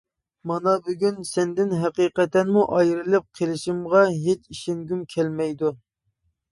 مانا بۈگۈن سەندىن ھەقىقەتەنمۇ ئايرىلىپ قېلىشىمغا ھېچ ئىشەنگۈم كەلمەيدۇ.